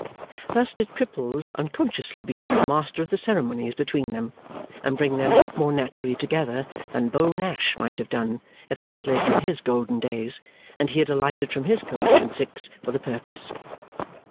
Thus did Cripples unconsciously become a master of the ceremonies between them, and bring them more naturally together than Beau Nash might have done if they had lived in his golden days, and he had alighted from his coach and six for the purpose.